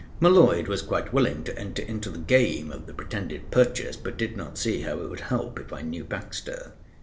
M'Leod was quite willing to enter into the game of the pretended purchase, but did not see how it would help if I knew Baxter.